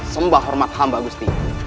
sembah hormat hamba gusti